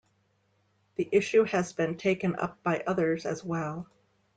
The issue has been taken up by others as well.